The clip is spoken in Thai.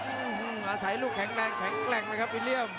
อื้อฮือมาใส่ลูกแข็งแรงแข็งแกร่งเลยครับวิเลี่ยม